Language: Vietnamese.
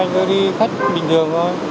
à nhớ thì anh ơi đi khách bình thường thôi